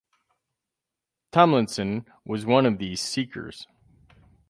Tomlinson was one of these seekers.